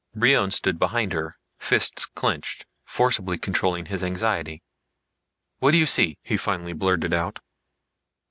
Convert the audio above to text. Brion stood behind her, fists clenched, forceably controlling his anxiety. "What do you see?" he finally blurted out.